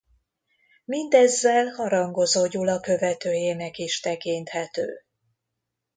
Mindezzel Harangozó Gyula követőjének is tekinthető.